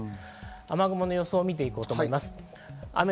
雨雲の様子を見ていこうと思います。